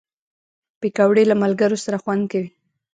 پکورې له ملګرو سره خوند کوي